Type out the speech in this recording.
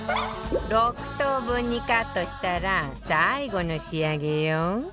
６等分にカットしたら最後の仕上げよ